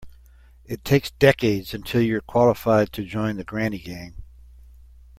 It takes decades until you're qualified to join the granny gang.